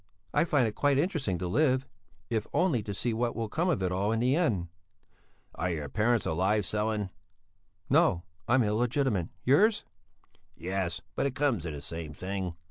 I find it quite interesting to live, if only to see what will come of it all in the end." "Are your parents alive, Sellén?" "No; I'm illegitimate. Yours?" "Yes; but it comes to the same thing."